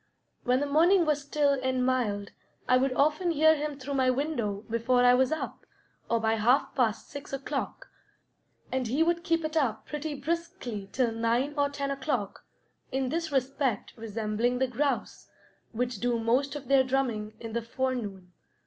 When the morning was still and mild I would often hear him through my window before I was up, or by half past six o'clock, and he would keep it up pretty briskly till nine or ten o'clock, in this respect resembling the grouse, which do most of their drumming in the forenoon.